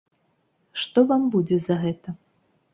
Што вам будзе за гэта?